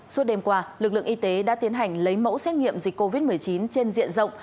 suốt đêm qua lực lượng y tế đã tiến hành lấy mẫu xét nghiệm dịch covid một mươi chín trên diện rộng